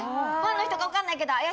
ファンの人かわかんないけど。